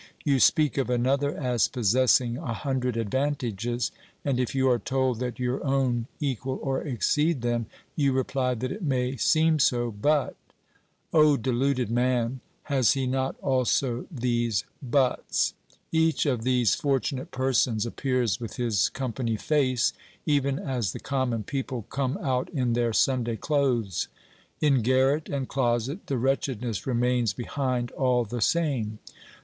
You speak of another as possessing a hundred advantages, and if you are told that your own equal or exceed them, you reply that it may seem so, but — O deluded man, has he not also these buts ? Each of these fortunate persons appears with his company face, even as the common people come out in their Sunday clothes. In garret and closet, the wretchedness remains behind all the same.